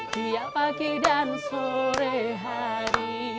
tiap pagi dan sore hari